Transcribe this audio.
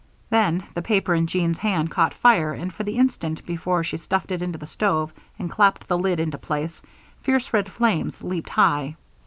Then the paper in Jean's hand caught fire, and for the instant before she stuffed it into the stove and clapped the lid into place, fierce red flames leaped high.